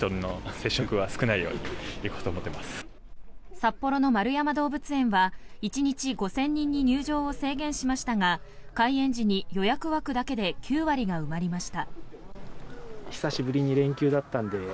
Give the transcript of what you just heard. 札幌の円山動物園は１日５０００人に入場を制限しましたが開園時に予約枠だけで９割が埋まりました。